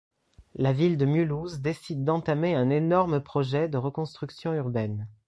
La ville de Mulhouse décide d’entamer un énorme projet de reconstruction urbaine.